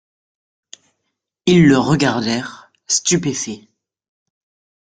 Ils le regardèrent, stupéfaits.